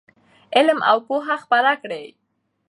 علم او پوهه خپره کړئ.